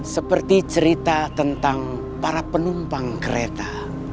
seperti cerita tentang para penumpang kereta